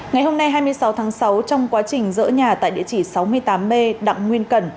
ngày hôm nay hai mươi sáu tháng sáu trong quá trình dỡ nhà tại địa chỉ sáu mươi tám b đặng nguyên cẩn